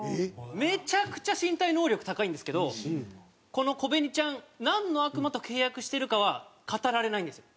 めちゃくちゃ身体能力高いんですけどこのコベニちゃんなんの悪魔と契約してるかは語られないんですよ。